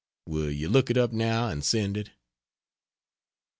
Will you look it up now and send it?